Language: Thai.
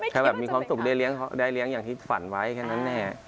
แค่แบบมีความสุขได้เลี้ยงอย่างที่ฝันไว้แค่นั้นแน่